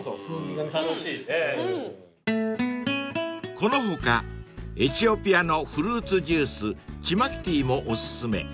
［この他エチオピアのフルーツジュースチマキティーもお薦め］